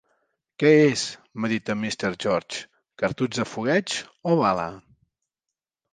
"Què és", medita Mr. George, "cartutx de fogueig o bala?"